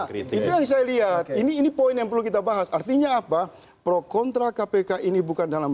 kritik itu yang saya lihat ini ini poin yang perlu kita bahas artinya apa pro kontra kpk ini bukan dalam